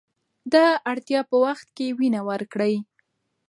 د اړتیا په وخت کې وینه ورکړئ.